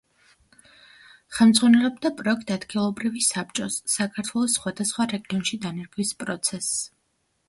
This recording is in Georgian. ხელმძღვანელობდა პროექტ „ადგილობრივი საბჭოს“ საქართველოს სხვადასხვა რეგიონში დანერგვის პროცესს.